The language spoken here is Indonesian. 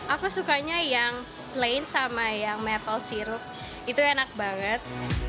aku sukanya yang plain sama yang metal sirup itu enak banget